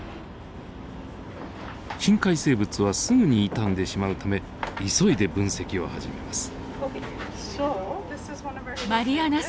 深海生物はすぐに傷んでしまうため急いで分析を始めます。